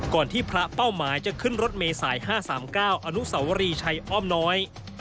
ที่พระเป้าหมายจะขึ้นรถเมษาย๕๓๙อนุสวรีชัยอ้อมน้อย